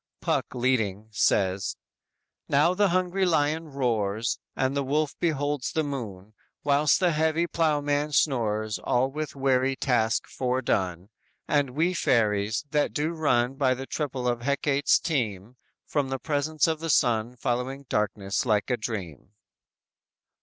Puck leading, says: _"Now the hungry lion roars, And the wolf beholds the moon. Whilst the heavy ploughman snores All with weary task foredone; And we fairies, that do run By the triple of Hecate's team, From the presence of the sun Following darkness like a dream."